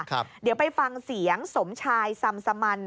เดี๋ยวไปฟังเสียงสมชายซำสมัน